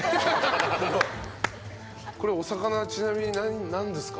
これお魚ちなみに何ですか？